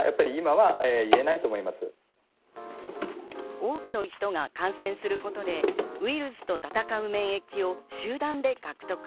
多くの人が感染することでウイルスと戦う免疫を集団で獲得。